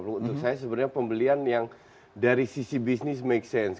untuk saya sebenarnya pembelian yang dari sisi bisnis make sense